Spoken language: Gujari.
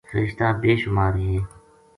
فرشتہ بے شمار ہیں۔